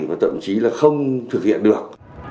và tậm chí là không thực hiện được